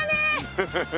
フフフ。